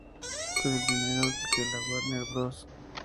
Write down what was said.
Con el dinero que la Warner Bros.